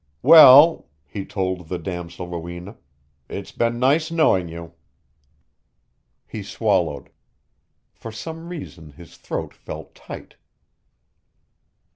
"Well," he told the damosel Rowena, "it's been nice knowing you." He swallowed; for some reason his throat felt tight.